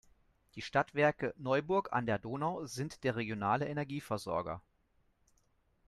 Die Stadtwerke Neuburg an der Donau sind der regionale Energieversorger.